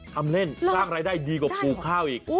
ทำเล่นสร้างรายได้ดีกว่าปลูกข้าวอีก